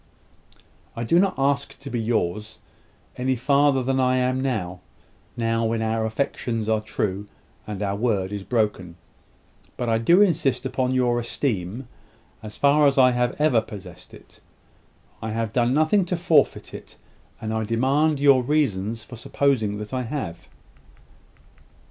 "I do not ask to be yours, any farther than I am now now when our affections are true, and our word is broken. But I do insist upon your esteem, as far as I have ever possessed it. I have done nothing to forfeit it; and I demand your reasons for supposing that I have."